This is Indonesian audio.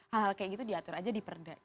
hal hal kayak gitu diatur aja diperda gitu